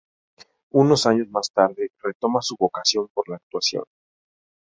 Unos años más tarde retoma su vocación por la actuación.